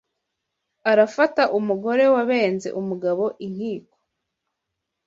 Arafata umugore Wabenze umugabo i Nkiko